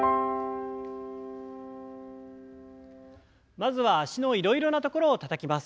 まずは脚のいろいろな所をたたきます。